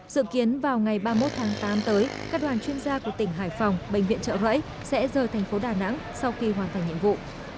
dự kiến vào ngày ba mươi một tháng tám tới các đoàn chuyên gia của tỉnh hải phòng bệnh viện trợ rẫy sẽ rời thành phố đà nẵng sau khi hoàn thành nhiệm vụ